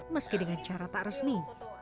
meski dengan cara tak resmi